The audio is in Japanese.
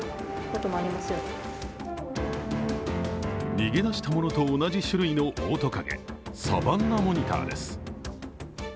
逃げ出したものと同じ種類のオオトカゲ、サバンナモニターです。